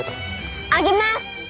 あげます！